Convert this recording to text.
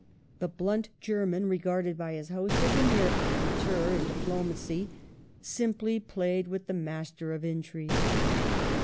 The blunt German, regarded by his host as ^"S ^^ a mere amateur in diplomacy, simply played with the master of intrigue.